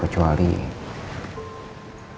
kecuali apa pak